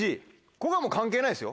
ここはもう関係ないですよ。